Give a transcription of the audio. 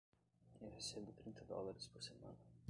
Eu recebo trinta dólares por semana.